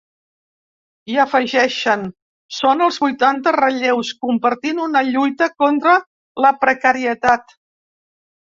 I afegeixen: Són els vuitanta relleus, compartint una lluita contra la precarietat.